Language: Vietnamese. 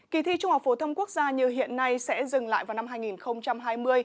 kỳ thi trung học phổ thông quốc gia như hiện nay sẽ dừng lại vào năm hai nghìn hai mươi